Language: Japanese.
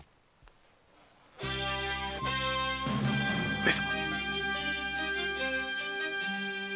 上様。